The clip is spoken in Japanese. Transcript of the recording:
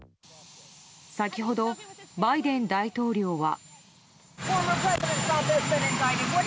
先ほど、バイデン大統領は。